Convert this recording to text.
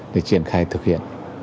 để triển khai thực hiện